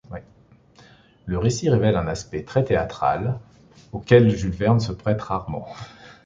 Le récit révèle un aspect très théâtral, auquel Jules Verne se prête rarement.